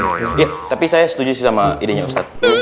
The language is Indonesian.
iya tapi saya setuju sih sama idenya ustaz